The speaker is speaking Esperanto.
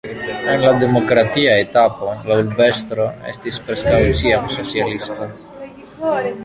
En la demokratia etapo la urbestro estis preskaŭ ĉiam socialisto.